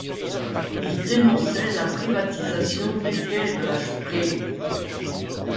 Ils dénonçaient la privatisation des quais de la Spree.